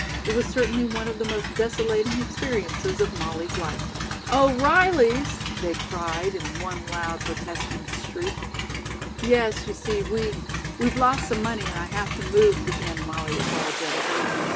It was certainly one of the most desolating experiences of Molly's life. "O'Reilly's?" they cried in one loud protesting shriek. "Yes, you see, we we've lost some money and I have to move," began Molly apologetically.